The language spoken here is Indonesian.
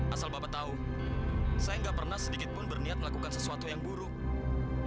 asal bapak tahu saya gak pernah sedikitpun berniat melakukan sesuatu yang buruk